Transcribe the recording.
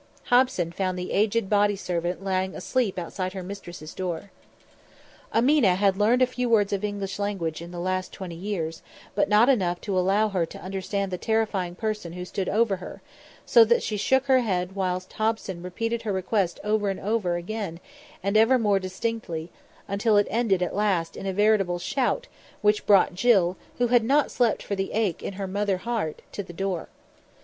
Hobson found the aged body servant lying asleep outside her mistress's door. Ameena had learned a few words of the English language in the last twenty years, but not enough to allow her to understand the terrifying person who stood over her; so that she shook her head whilst Hobson repeated her request over and over again, and ever more distinctly, until it ended at last in a veritable shout which brought Jill, who had not slept for the ache in her mother heart, to the door.